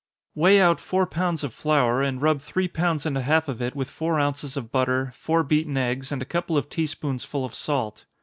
_ Weigh out four pounds of flour, and rub three pounds and a half of it with four ounces of butter, four beaten eggs, and a couple of tea spoonsful of salt.